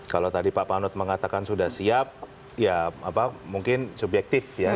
kalau tadi pak panut mengatakan sudah siap ya mungkin subjektif ya